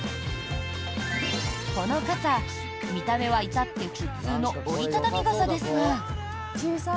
この傘、見た目は至って普通の折り畳み傘ですが。